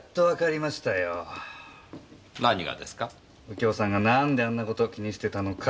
右京さんがなんであんなこと気にしてたのか。